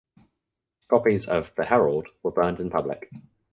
Copies of the "Herald" were burned in public.